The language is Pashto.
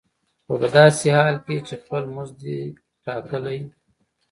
خو په داسې حال کې چې خپل مزد دې دی ټاکلی.